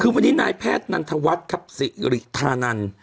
คือวันนี้นายแพทย์นันทวัฒน์ครับสิริธานัน